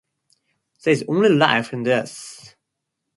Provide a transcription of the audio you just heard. There is only life and us.